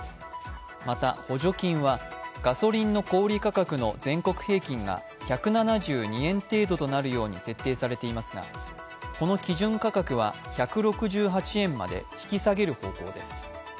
また補助金は、ガソリンの小売価格の全国平均が１７２円程度となるように設定されていますがこの基準価格は１６８円まで引き下げる方向です。